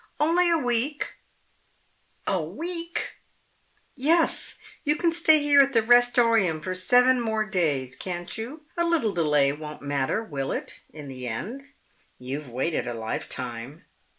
"Only a week." "A week!" "Yes. You can stay here at the Restorium for seven more days, can't you? A little delay won't matter, will it, in the end? You've waited a lifetime.